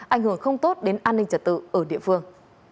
ảnh hưởng không tốt đến an ninh trật tự ở địa phương